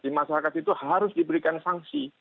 di masyarakat itu harus diberikan sanksi